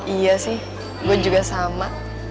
iya sih gue juga sama